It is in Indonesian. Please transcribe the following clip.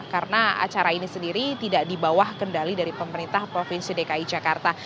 karena acara ini sendiri tidak dibawah kendali dari pemerintah provinsi dki jakarta